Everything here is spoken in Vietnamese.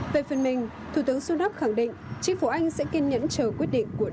về phần mình thủ tướng sunop khẳng định chính phủ anh sẽ kiên nhẫn chờ quyết định của d u p